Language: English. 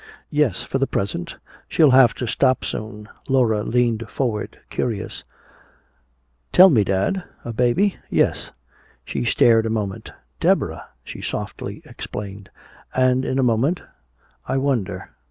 "Yes, for the present. She'll have to stop soon." Laura leaned forward, curious: "Tell me, dad a baby?" "Yes." She stared a moment. "Deborah!" she softly exclaimed; and in a moment, "I wonder."